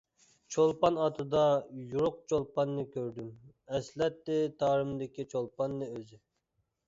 چولپان ئاتىدا يورۇق چولپاننى كۆردۈم، ئەسلەتتى تارىمدىكى چولپاننى ئۆزى.